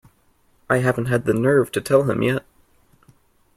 I haven't had the nerve to tell him yet.